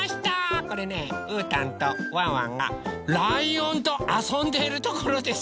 これねうーたんとワンワンがライオンとあそんでいるところです。